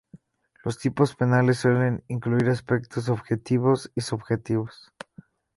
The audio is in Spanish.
Los tipos penales suelen incluir aspectos objetivos y subjetivos.